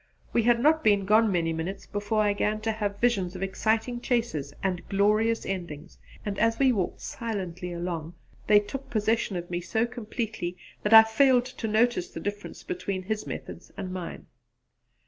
We had not been gone many minutes before I began to have visions of exciting chases and glorious endings, and as we walked silently along they took possession of me so completely that I failed to notice the difference between his methods and mine.